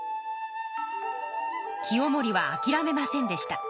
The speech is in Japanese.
清盛はあきらめませんでした。